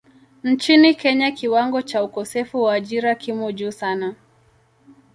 Nchini Kenya kiwango cha ukosefu wa ajira kimo juu sana.